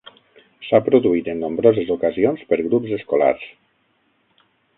S'ha produït en nombroses ocasions per grups escolars.